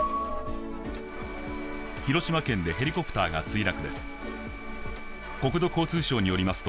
広島県でヘリコプターが墜落です。